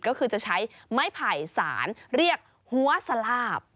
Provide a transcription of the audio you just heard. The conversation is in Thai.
ก็คือจะใช้ไม้ไผ่สารเรียกหัวสลาบ